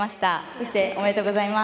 そして、おめでとうございます。